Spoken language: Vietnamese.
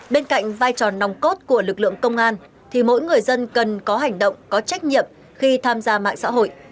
bên cạnh vai trò nòng cốt của lực lượng công an thì mỗi người dân cần có hành động có trách nhiệm khi tham gia mạng xã hội